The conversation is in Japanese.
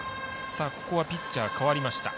ピッチャー代わりました。